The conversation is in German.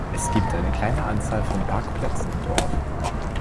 Es gibt eine kleine Anzahl von Parkplätzen im Dorf.